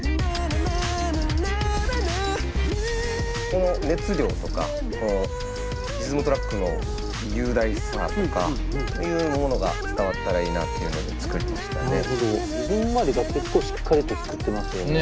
この熱量とかリズムトラックの雄大さとかいうものが伝わったらいいなっていうので作りましたね。